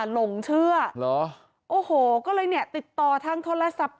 หลงเชื่อเหรอโอ้โหก็เลยเนี่ยติดต่อทางโทรศัพท์